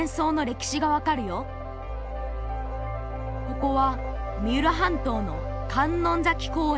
ここは三浦半島の観音崎公園。